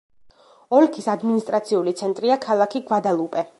ოლქის ადმინისტრაციული ცენტრია ქალაქი გვადალუპე.